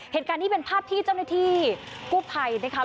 เหตุการณ์นี้เป็นภาพที่เจ้าหน้าที่กู้ภัยนะคะ